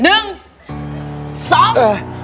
หนึ่งสอง